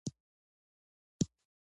زه غواړم چې دې ځای ته لاړ شم.